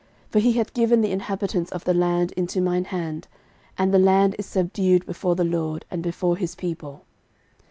for he hath given the inhabitants of the land into mine hand; and the land is subdued before the LORD, and before his people.